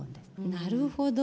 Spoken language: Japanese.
なるほど。